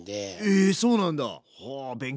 えそうなんだ。